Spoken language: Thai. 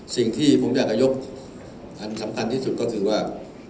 สิ่งที่ผมอยากยกอันสำคัญที่สุดก็คือว่า